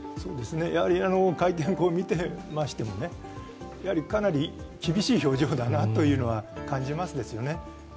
会見を見ていましても、かなり厳しい表情だなというのは感じますですよね。